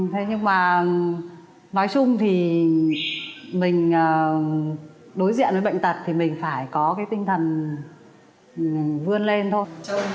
thế nhưng mà nói chung thì mình đối diện với bệnh tật thì mình phải có cái tinh thần vươn lên thôi